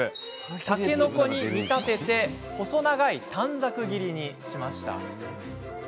たけのこに見立てて細長い短冊切りにしました。